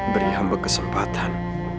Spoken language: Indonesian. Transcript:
beri hamba kesempatan